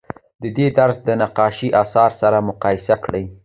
د دې درس د نقاشۍ اثار سره مقایسه کړئ.